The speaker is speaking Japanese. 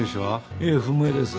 いえ不明です。